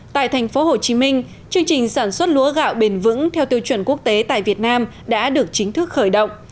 tại thành phố hồ chí minh chương trình sản xuất lúa gạo bền vững theo tiêu chuẩn quốc tế tại việt nam đã được chính thức khởi động